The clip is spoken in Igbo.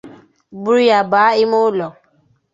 buru ya bàá ime ụlọ